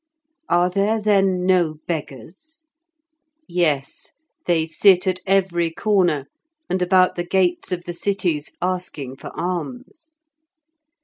Are there, then, no beggars? Yes, they sit at every corner, and about the gates of the cities, asking for alms.